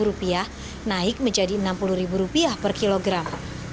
rp lima naik menjadi rp enam puluh per kilogram